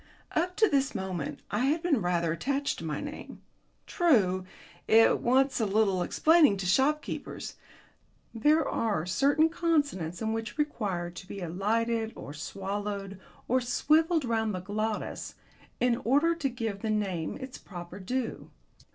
Up to this moment I had been rather attached to my name. True, it wants a little explaining to shopkeepers. There are certain consonants in it which require to be elided or swallowed or swivelled round the glottis, in order to give the name its proper due.